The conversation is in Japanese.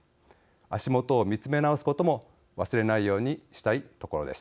足元を見つめ直すことも忘れないようにしたいところです。